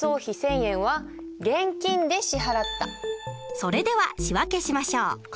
それでは仕訳しましょう。